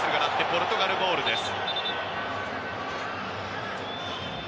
ポルトガルボールです。